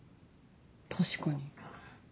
確かに。